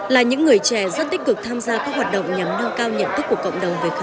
là những người trẻ rất tích cực tham gia các hoạt động nhằm nâng cao nhận thức của cộng đồng về khám